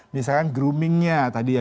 misalkan groomingnya tadi ya